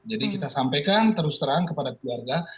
jadi kita sampaikan terus terang kepada keluarga